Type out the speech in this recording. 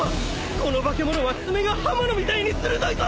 この化け物は爪が刃物みたいに鋭いぞ！